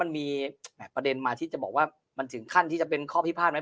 มันมีประเด็นมาที่จะบอกว่ามันถึงขั้นที่จะเป็นข้อพิพาทไหม